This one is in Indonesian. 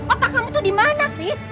otak kamu tuh di mana sih